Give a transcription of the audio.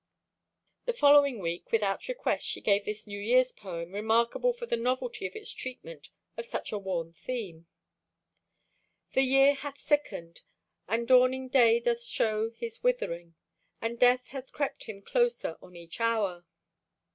The following week, without request, she gave this New Year's poem, remarkable for the novelty of its treatment of a much worn theme: The year hath sickened; And dawning day doth show his withering; And Death hath crept him closer on each hour.